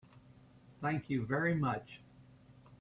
Thank you very much.